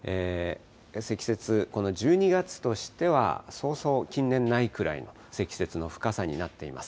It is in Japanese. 積雪、この１２月としてはそうそう近年ないぐらいの積雪の深さになっています。